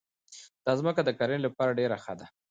دا ځمکه د کرنې لپاره ډېره ښه ده.